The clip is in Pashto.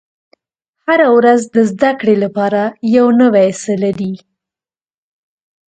• هره ورځ د زده کړې لپاره یو نوی څه لري.